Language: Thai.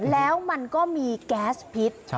แล้วมันก็มีแก๊สพิษ